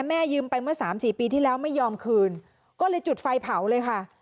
ยืมไปเมื่อสามสี่ปีที่แล้วไม่ยอมคืนก็เลยจุดไฟเผาเลยค่ะ